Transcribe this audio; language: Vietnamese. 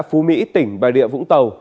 phú mỹ tỉnh bài địa vũng tàu